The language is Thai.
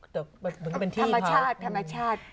เหมือนเป็นที่ค่ะธรรมชาติ